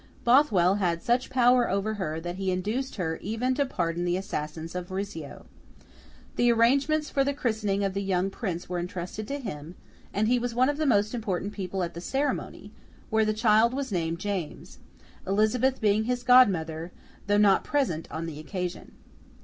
Bothwell had such power over her that he induced her even to pardon the assassins of Rizzio. The arrangements for the Christening of the young Prince were entrusted to him, and he was one of the most important people at the ceremony, where the child was named James: Elizabeth being his godmother, though not present on the occasion.